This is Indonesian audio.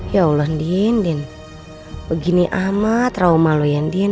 ya allah ndin begini amat trauma lo ya ndin